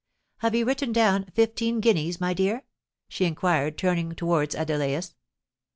Have you written down fifteen guineas, my dear?" she inquired, turning towards Adelais.